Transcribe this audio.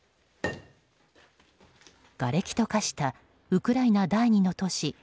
がれきと化したウクライナ第２の都市